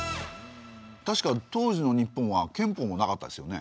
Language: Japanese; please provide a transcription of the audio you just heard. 確か当時の日本は憲法もなかったですよね。